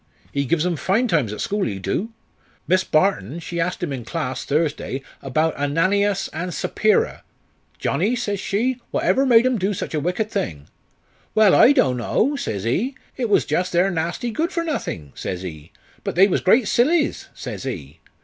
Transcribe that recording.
He gives 'em fine times at school, he do. Miss Barton, she ast him in class, Thursday, 'bout Ananias and Sappira. 'Johnnie,' says she, 'whatever made 'em do sich a wicked thing?' 'Well, I do'n' know,' says he; 'it was jus' their nassty good for nothink,' says he; 'but they was great sillies,' says he.